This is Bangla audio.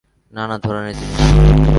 নানা ধরণের জিনিস।